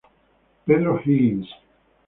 Pedro Higgins